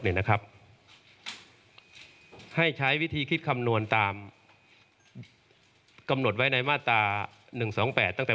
ให้ใช้วิธีคิดคำนวณตามกำหนดไว้ในมาตรา๑๒๘ตั้งแต่